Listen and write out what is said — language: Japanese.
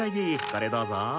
これどうぞ。